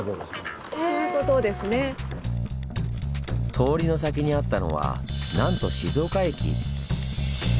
通りの先にあったのはなんと静岡駅！